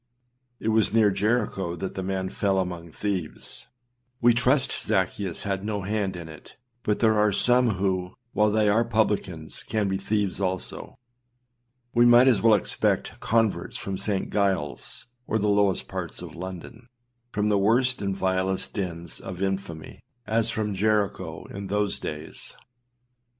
It was near Jericho that the man fell among thieves; we trust Zaccheus had no hand in it; but there are some who, while they are publicans, can be thieves also. We might as well expect converts from St. 319 Spurgeonâs Sermons Vol. II ClassicChristianLibrary.com Gilesâs, or the lowest parts of London, from the worst and vilest dens of infamy, as from Jericho in those days.